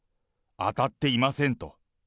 当たっていませんと。